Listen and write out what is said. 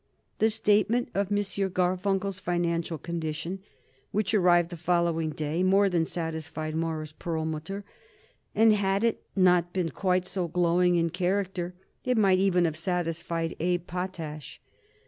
The statement of M. Garfunkel's financial condition, which arrived the following day, more than satisfied Morris Perlmutter and, had it not been quite so glowing in character, it might even have satisfied Abe Potash.